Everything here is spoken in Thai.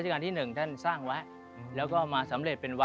วัดสุทัศน์นี้จริงแล้วอยู่มากี่ปีตั้งแต่สมัยราชการไหนหรือยังไงครับ